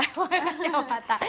oh kacau mata